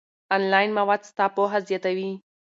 آنلاین مواد ستا پوهه زیاتوي.